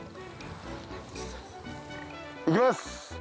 行きます。